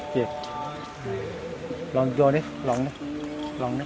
จิ๊กลองโยนี่ลองนี่ลองนี่